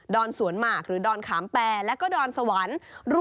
อนสวนหมากหรือดอนขามแปแล้วก็ดอนสวรรค์